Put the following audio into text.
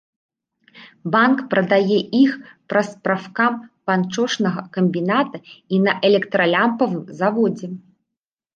Банк прадае іх праз прафкам панчошнага камбіната і на электралямпавым заводзе.